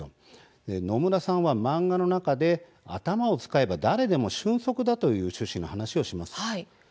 野村さんは漫画の中で頭を使えば誰でも俊足だという趣旨の話をします。